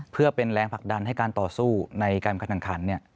เพื่อเป็นแรงผลักดันให้การต่อสู้ในการแข่งขัน